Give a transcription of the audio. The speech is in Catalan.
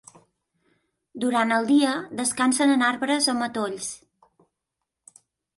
Durant el dia, descansen en arbres o matolls.